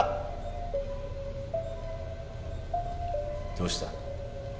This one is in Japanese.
どうした？